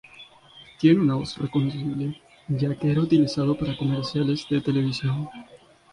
Tiene una voz reconocible ya que era utilizada para comerciales de televisión.